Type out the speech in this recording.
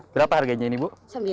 berapa harganya ini bu